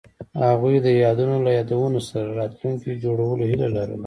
هغوی د یادونه له یادونو سره راتلونکی جوړولو هیله لرله.